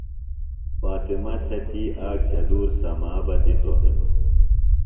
فاطمہ تھےۡ تی آک چدُور سمابہ دِتوۡ ہِنوۡ۔